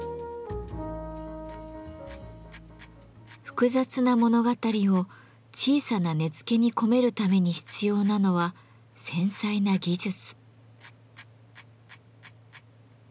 複雑な物語を小さな根付に込めるために必要なのは繊細な技術。